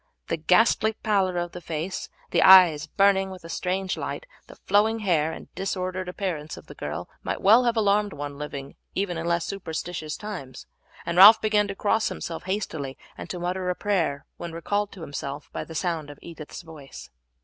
The ghastly pallor of the face, the eyes burning with a strange light, the flowing hair, and disordered appearance of the girl might well have alarmed one living in even less superstitious times, and Ralph began to cross himself hastily and to mutter a prayer when recalled to himself by the sound of Edith's voice.